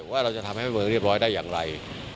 ว่าเราจะทำให้เมืองเรียบร้อยได้อย่างไร